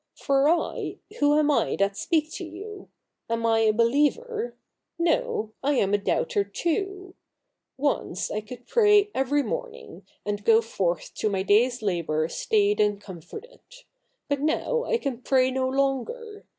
For I — who am I that speak to you ? Am I a believer ? No, I am a doubter too. Once I could pray every morning, and go forth to my day's labour stayed and comforted. But now I can pray no longer.